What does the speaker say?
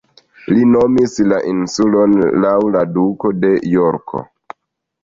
Li nomis la insulon laŭ la Duko de Jorko.